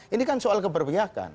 ini kan soal keperbiakan